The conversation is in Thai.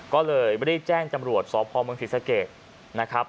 ก็เลยไม่ได้แจ้งจำรวจสพเมืองศรีสะเกดนะครับ